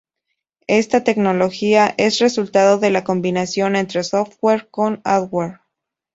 Esta tecnología es resultado de la combinación entre software con hardware.